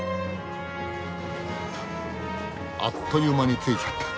あっという間に着いちゃった。